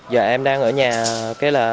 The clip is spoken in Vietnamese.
giờ em đang ở nhà